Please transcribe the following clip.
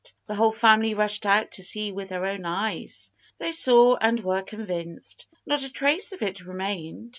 The whole family rushed out to see with their own eyes. They saw and were convinced. Not a trace of it remained.